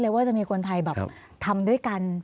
สวัสดีครับทุกคน